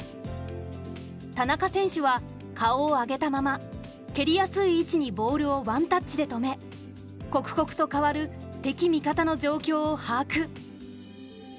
田中選手は顔を上げたまま蹴りやすい位置にボールをワンタッチで止め刻々と変わる敵味方の状況を把握。